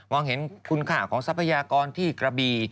เห็นคุณค่าของทรัพยากรที่กระบี